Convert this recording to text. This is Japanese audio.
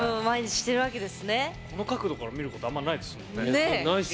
この角度から見ることあんまりないですよね。